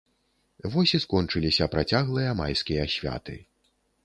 Вось і скончыліся працяглыя майскія святы.